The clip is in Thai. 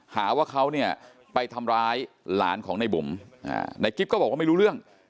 หาว่าเขาเนี่ยไปทำร้ายหลานของในบุ๋มในกิ๊บก็บอกว่าไม่รู้เรื่อง